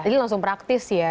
jadi langsung praktis ya